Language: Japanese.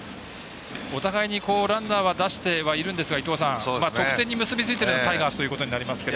お互いにランナーは出してはいけるんですが得点に結びついているのはタイガースということになりますが。